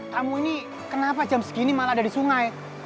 tamu ini kenapa jam segini malah ada di sungai